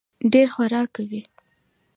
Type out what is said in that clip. ډېر خورک کوي.